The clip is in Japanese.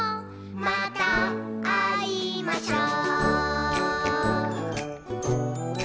「またあいましょう」